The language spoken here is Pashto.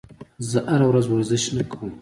زه هره ورځ ورزش نه کوم.